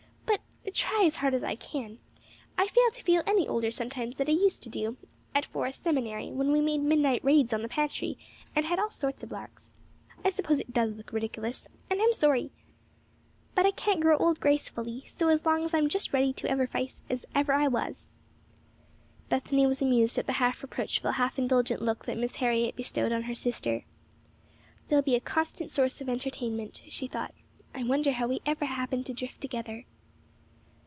But, try as hard as I can, I fail to feel any older sometimes than I used to at Forest Seminary, when we made midnight raids on the pantry, and had all sorts of larks. I suppose it does look ridiculous, and I'm sorry; but I can't grow old gracefully, so long as I am just as ready to effervesce as I ever was." Bethany was amused at the half reproachful, half indulgent look that Miss Harriet bestowed on her sister. "They'll be a constant source of entertainment," she thought. "I wonder how we ever happened to drift together."